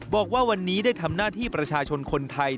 บอกว่าวันนี้ได้ทำหน้าที่ประชาชนคนไทย